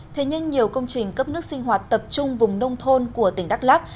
thế nhưng nhiều công trình cấp nước sinh hoạt tập trung vùng nông thôn của tỉnh đắk lắc